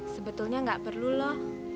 sebetulnya tidak perlu loh